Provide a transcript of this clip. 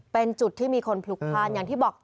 เป็นจุดที่มีคนพลุกพลาดอย่างที่บอก